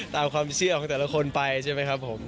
ตามความเชื่อของแต่ละคนไปใช่ไหมครับผม